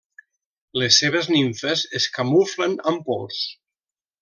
Les seves nimfes es camuflen amb pols.